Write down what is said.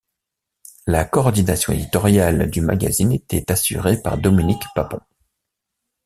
La coordination éditoriale du magazine était assurée par Dominique Papon.